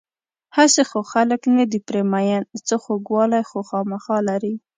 هسې خو خلک نه دي پرې مین، څه خوږوالی خو خوامخا لري.